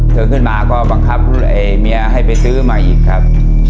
เธอขึ้นมาก็บังคับไอ้เมียให้ไปซื้อมาอีกครับ